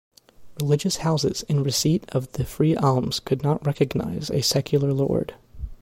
Religious houses in receipt of free alms could not recognise a secular lord.